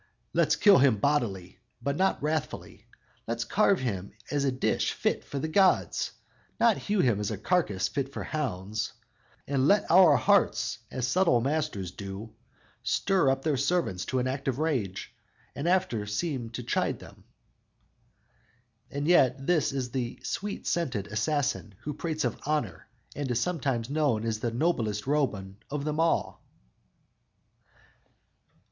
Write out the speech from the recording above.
_"Let's kill him bodily, but not wrathfully; Let's carve him as a dish fit for the gods, Not hew him as a carcass fit for hounds; And let our hearts as subtle masters do, Stir up their servants to an act of rage, And after seem to chide them!"_ And yet this is the sweet scented assassin who prates of "honor," and is sometimes known as "the noblest Roman of them all!"